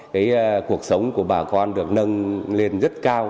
cái cuộc sống của bà con được nâng lên rất cao